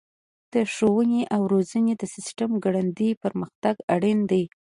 د ښوونې او روزنې د سیسټم ګړندی پرمختګ اړین دی.